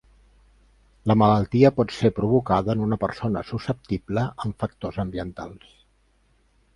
La malaltia pot ser provocada en una persona susceptible amb factors ambientals.